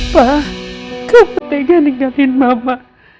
pak kamu tidak ingatkan mama